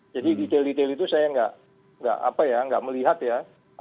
jadi detail detail itu saya tidak melihat ya